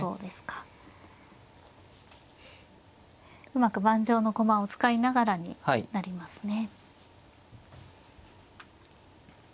うまく盤上の駒を使いながらになりますね。